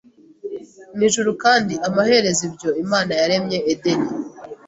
mu Ijuru kandi amaherezo ibyo Imana yaremye Edeni